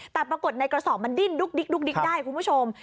แต่ปรากฏในกระสอบมันดิ้นดุ๊กดิ๊กได้คุณผู้ชม